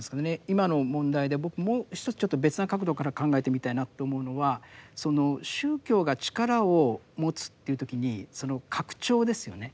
今の問題で僕もう一つちょっと別な角度から考えてみたいなと思うのはその宗教が力を持つっていう時にその拡張ですよね